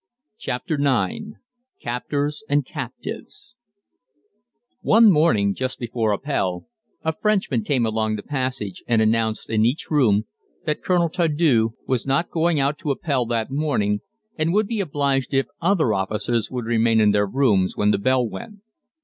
] CHAPTER IX CAPTORS AND CAPTIVES One morning just before Appell, a Frenchman came along the passage and announced in each room that Colonel Tardieu was not going out to Appell that morning, and would be obliged if other officers would remain in their rooms when the bell went.